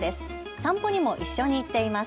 散歩にも一緒に行っています。